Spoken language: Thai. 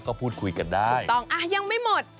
ก็พูดคุยกันได้ถูกต้องยังไม่หมด